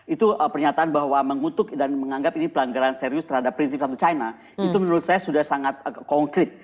itu pernyataan bahwa mengutuk dan menganggap ini pelanggaran serius terhadap prinsip satu china itu menurut saya sudah sangat konkret